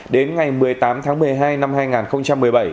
đến ngày một mươi tám tháng một mươi hai năm hai nghìn một mươi bảy